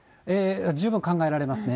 十分考えられますね。